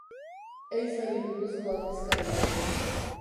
Ehizari buruzko aldizkaria.